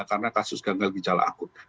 karena kasus ganggal gijalah akut